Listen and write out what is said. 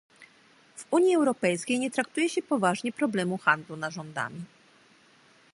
W Unii Europejskiej nie traktuje się poważnie problemu handlu narządami